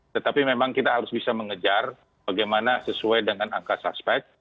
tetapi memang kita harus bisa mengejar bagaimana sesuai dengan angka suspek